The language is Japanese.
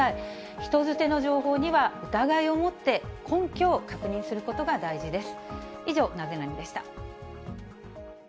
人づての情報には疑いを持って、根拠を確認することが大事です。